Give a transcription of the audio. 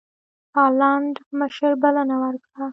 هالنډ مشر بلنه ورکړه.